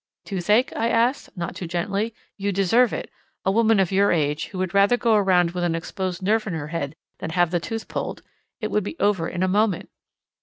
"Toothache?" I asked, not too gently. "You deserve it. A woman of your age, who would rather go around with an exposed nerve in her head than have the tooth pulled! It would be over in a moment."